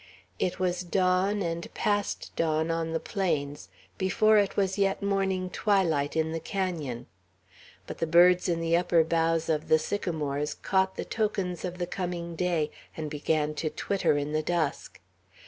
It was dawn, and past dawn, on the plains, before it was yet morning twilight in the canon; but the birds in the upper boughs' of the sycamores caught the tokens of the coming day, and began to twitter in the dusk.